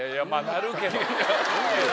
なるけど。